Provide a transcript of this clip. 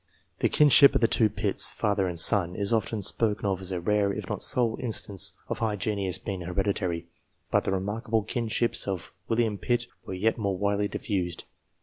The kinship of the two Pitts, father and son, is often spoken of as a rare, if not a sole, instance of high genius being hereditary; but the remarkable kinships of William Pitt were yet more widely diffused.